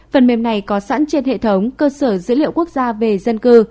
phần mềm này có sẵn trên hệ thống cơ sở dữ liệu quốc gia về dân cư